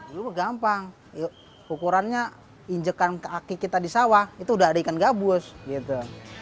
dulu gampang ukurannya injekan kaki kita di sawah itu udah ada ikan gabus gitu